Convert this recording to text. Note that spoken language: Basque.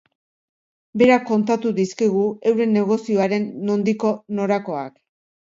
Berak kontatu dizkigu euren negozioaren nondiko norakoak.